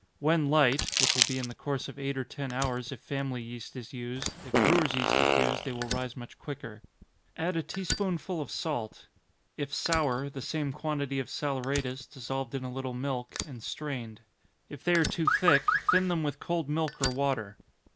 When light, (which will be in the course of eight or ten hours if family yeast is used, if brewers' yeast is used, they will rise much quicker,) add a tea spoonful of salt if sour, the same quantity of saleratus, dissolved in a little milk, and strained. If they are too thick, thin them with cold milk or water.